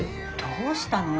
どうしたの？